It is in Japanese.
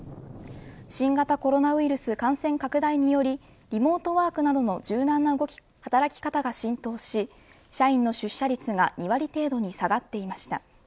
新型コロナウイルス感染拡大によりリモートワークなどの柔軟な働き方が浸透し社員の出社率が２割程度に下がっていました。